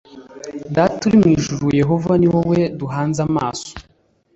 data uri mu ijuru yehova ni wowe duhanze amaso